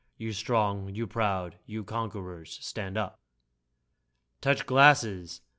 You strong, you proud, you conquerors — stand up! Touch glasses